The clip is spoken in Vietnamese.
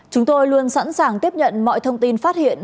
chúng tôi luôn sẵn sàng tiếp nhận mọi thông tin phát hiện